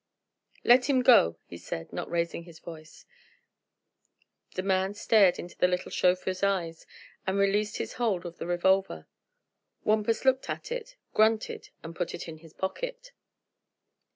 "Let him go," he said, not raising his voice. The man stared into the little chauffeur's eyes and released his hold of the revolver. Wampus looked at it, grunted, and put it in his pocket.